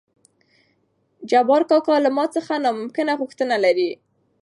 جبار کاکا له ما څخه نامکنه غوښتنه لري.